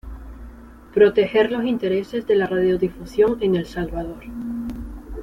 Proteger los intereses de la radiodifusión en El Salvador.